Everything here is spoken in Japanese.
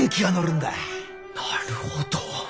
なるほど！